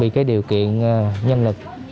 bị cái điều kiện nhân lực